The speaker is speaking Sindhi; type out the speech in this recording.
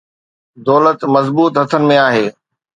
دولت مضبوط هٿن ۾ آهي.